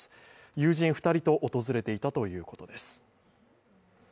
友人２人と訪れていたということです。